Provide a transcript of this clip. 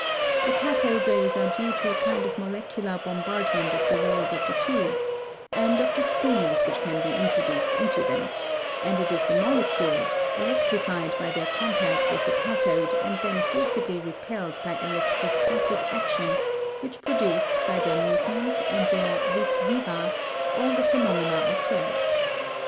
The cathode rays are due to a kind of molecular bombardment of the walls of the tubes, and of the screens which can be introduced into them; and it is the molecules, electrified by their contact with the cathode and then forcibly repelled by electrostatic action, which produce, by their movement and their vis viva, all the phenomena observed.